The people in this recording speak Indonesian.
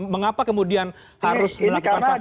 mengapa kemudian harus melakukan safari itu